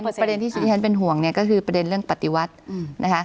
แต่ว่าประเด็นที่ชิคกี้พายเป็นห่วงก็คือประเด็นเรื่องปฏิวัติ